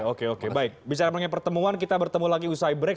oke oke baik bicara mengenai pertemuan kita bertemu lagi usai break